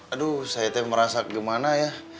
aduh saya merasa gimana ya